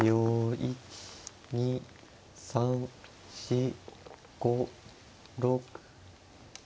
１２３４５６。